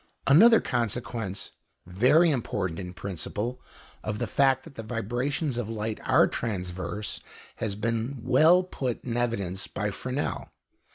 Another consequence, very important in principle, of the fact that vibrations of light are transverse, has been well put in evidence by Fresnel.